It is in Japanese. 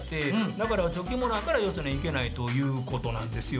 だから貯金もないからよそには行けないということなんですよ。